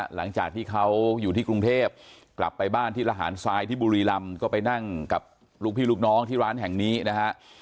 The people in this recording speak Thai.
หลังจากที่เขาอยู่ที่กรุงเทพกลับไปบ้านที่ระหารทรายที่บุรีรำก็ไปนั่งกับลูกพี่ลูกน้องที่ร้านแห่งนี้นะฮะ